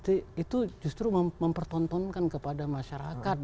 itu justru mempertontonkan kepada masyarakat